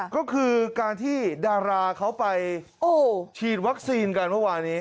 ก็คือการที่ดาราเขาไปฉีดวัคซีนกันเมื่อวานี้